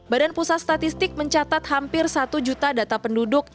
badan pusat statistik mencatat hampir satu juta data penduduk